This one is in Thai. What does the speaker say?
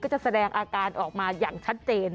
จะแสดงอาการออกมาอย่างชัดเจน